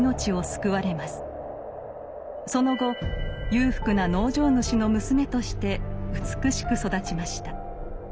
その後裕福な農場主の娘として美しく育ちました。